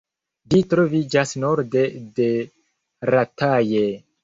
Ĝi troviĝas norde de Rataje.